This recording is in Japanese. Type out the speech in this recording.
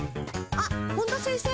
あっ本田先生。